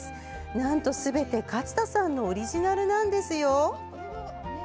なんとすべて、勝田さんのオリジナルなんですよ！